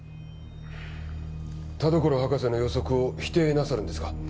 田所博士の予測を否定なさるんですか？